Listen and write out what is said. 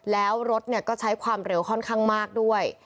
แล้วรถก็ใช้ความเร็วค่อนข้างมากด้วย